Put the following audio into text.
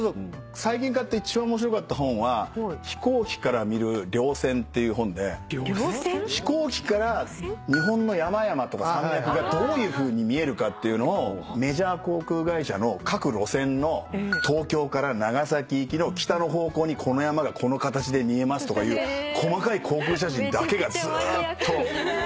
最近買って一番面白かった本は飛行機から見る稜線っていう本で飛行機から日本の山々とか山脈がどういうふうに見えるかっていうのをメジャー航空会社の各路線の東京から長崎行きの北の方向にこの山がこの形で見えますとかいう細かい航空写真だけがずーっと。